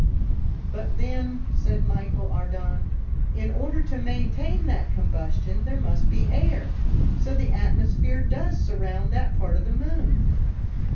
"But, then," said Michel Ardan, "in order to maintain that combustion, there must be air. So the atmosphere does surround that part of the moon."